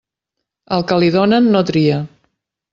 Al que li donen, no tria.